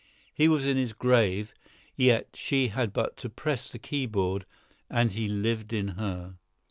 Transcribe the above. He was in his grave—yet she had but to press the keyboard and he lived in her.